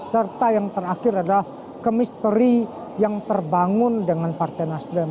serta yang terakhir adalah kemisteri yang terbangun dengan partai nasdem